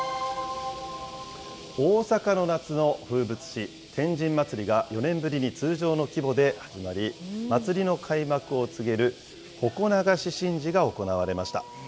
大阪の夏の風物詩、天神祭が４年ぶりに通常の規模で始まり、祭りの開幕を告げる鉾流神事が行われました。